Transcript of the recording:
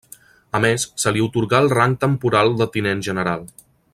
A més se li atorgà el rang temporal de tinent general.